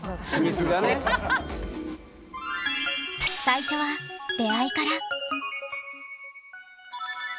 最初は出会いから。